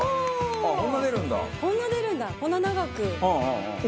ああこんな出るんだ。